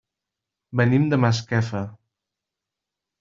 Venim de Masquefa.